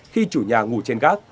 khi chủ nhà ngủ trên gác